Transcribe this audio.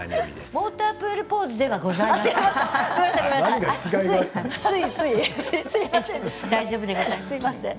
モータープールポーズではございません。